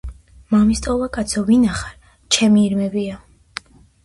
– მამისტოლა კაცო, ვინა ხარ? ჩემი ირმებია!